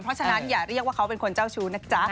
เพราะฉะนั้นอย่าเรียกว่าเขาเป็นคนเจ้าชู้นะจ๊ะ